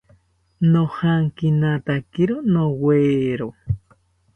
Nojankinatakiro nowero